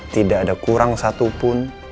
tidak ada kurang satupun